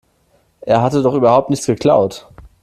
Er hatte doch überhaupt nichts geklaut.